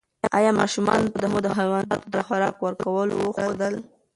ایا ماشومانو ته مو د حیواناتو د خوراک ورکولو وښودل؟